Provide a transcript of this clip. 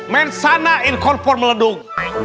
mensana in konpon meledung